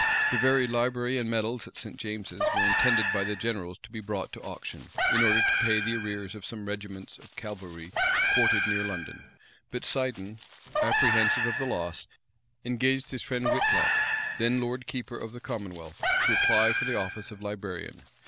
The very library and medals at St. James's were intended by the generals to be brought to auction, in order to pay the arrears of some regiments of cavalry quartered near London; but, Seiden, apprehensive of the loss, engaged his friend Whitlocke, then lord keeper for the commonwealth, to apply for the office of librarian.